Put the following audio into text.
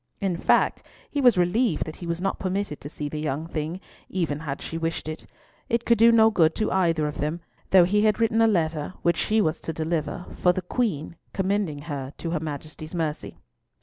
In fact he was relieved that he was not permitted to see the young thing, even had she wished it; it could do no good to either of them, though he had written a letter, which she was to deliver, for the Queen, commending her to her Majesty's mercy.